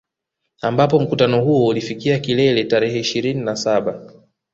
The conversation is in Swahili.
Ambapo mkutano huo ulifikia kilele tarehe ishirini na saba